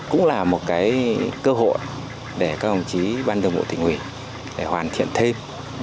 cũng là một cơ hội để các ông chí ban thường vụ tỉnh ủy hoàn thiện thêm